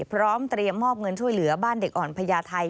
พร้อมเตรียมมอบเงินช่วยเหลือบ้านเด็กอ่อนพญาไทย